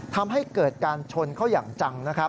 ทำให้เกิดการชนเขาอย่างจัง